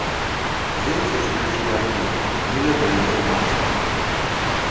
Дзеці, што ішлі адны, не ведалі, дзе маці.